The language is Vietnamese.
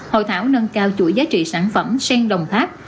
hội thảo nâng cao chuỗi giá trị sản phẩm sen đồng tháp